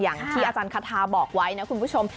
อย่างที่อาจารย์คาทาบอกไว้นะคุณผู้ชม